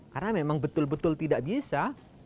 karena memang betul betul tidak bisa